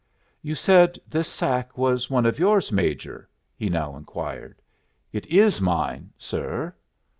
"You said this sack was one of yours, Major?" he now inquired. "It is mine, sir."